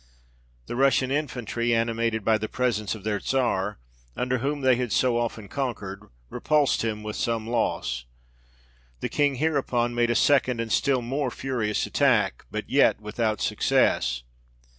The Russian infantry, animated by the presence of their Czar, under whom they had so often conquered, repulsed him with some loss. The King hereupon made a second and still more furious attack, but yet without success.